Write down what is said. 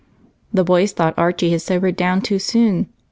The boys thought Archie had sobered down too soon.